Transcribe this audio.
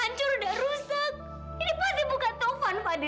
ini pasti bukan taufan fadil